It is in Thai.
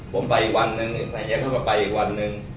ผมไปอีกวันนึงแมนใจเข้าไปอีกวันนึง